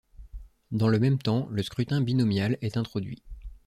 Dans le même temps le scrutin binominal est introduit.